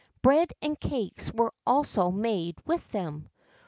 Bread and cakes were also made with them.